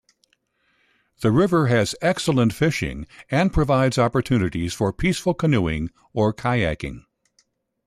The river has excellent fishing and provides opportunities for peaceful canoeing or kayaking.